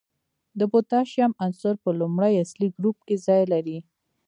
د پوتاشیم عنصر په لومړي اصلي ګروپ کې ځای لري.